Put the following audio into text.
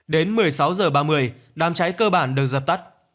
đến một mươi sáu h ba mươi đám cháy cơ bản được dập tắt